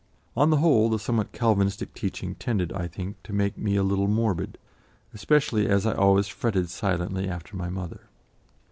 On the whole, the somewhat Calvinistic teaching tended, I think, to make me a little morbid, especially as I always fretted silently after my mother.